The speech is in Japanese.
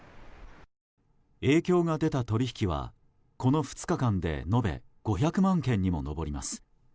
影響が出た取引はこの２日間で延べ５００万件に上ります。